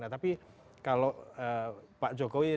tapi kalau pak jokowi